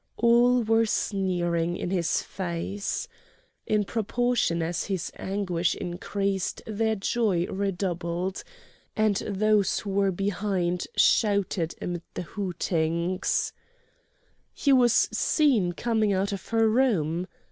All were sneering in his face. In proportion as his anguish increased their joy redoubled, and those who were behind shouted amid the hootings: "He was seen coming out of her room!"